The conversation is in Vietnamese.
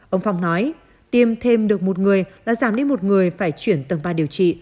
ông phong nói tiêm thêm được một người là giảm đi một người phải chuyển tầng ba điều trị